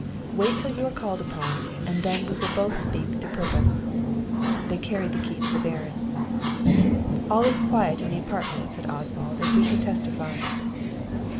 Wait till you are called upon, and then we will both speak to purpose." They carried the key to the Baron. "All is quiet in the apartment," said Oswald, "as we can testify."